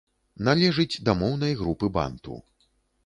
Належыць да моўнай групы банту.